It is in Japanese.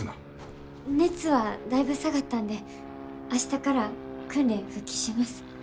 熱はだいぶ下がったんで明日から訓練復帰します。